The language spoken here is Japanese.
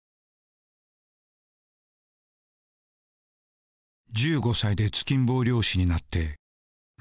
１５歳で突きん棒漁師になって６２年。